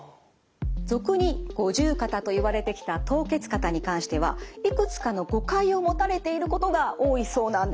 俗に五十肩といわれてきた凍結肩に関してはいくつかの誤解を持たれていることが多いそうなんです。